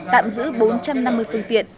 tạm giữ bốn trăm năm mươi phương tiện